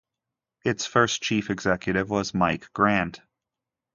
Its first chief executive was Mike Grant.